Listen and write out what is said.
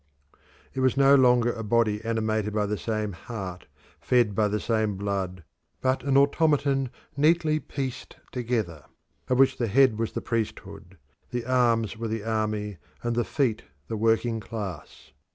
It was no longer a body animated by the same heart, fed by the same blood, but an automaton neatly pieced together, of which the head was the priesthood, the arms were the army, and the feet the working class.